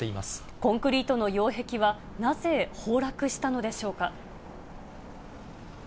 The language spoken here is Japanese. コンクリートの擁壁は、なぜ崩落したのでしょうか。